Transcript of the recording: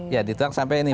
iya dituang sampai ini